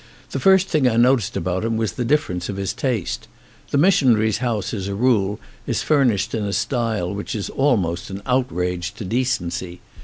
The first thing I noticed about him was the difference of his taste. The missionary's house as a rule is furnished in a style which is almost an outrage to decency.